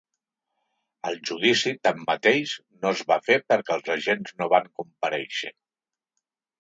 El judici, tanmateix, no es va fer perquè els agents no van comparèixer.